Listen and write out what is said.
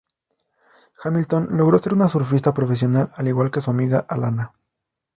Hamilton logró ser una surfista profesional al igual que su amiga Alana.